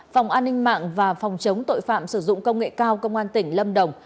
phòng an ninh mạng và phòng chống tội phạm sử dụng công nghệ cao công an tỉnh lâm đồng